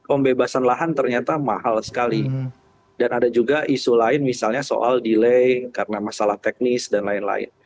pembebasan lahan ternyata mahal sekali dan ada juga isu lain misalnya soal delay karena masalah teknis dan lain lain